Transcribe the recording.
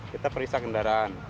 kita periksa kendaraan